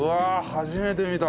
初めて見た！